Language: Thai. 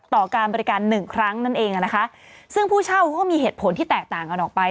ต่อการบริการหนึ่งครั้งนั่นเองอ่ะนะคะซึ่งผู้เช่าเขาก็มีเหตุผลที่แตกต่างกันออกไป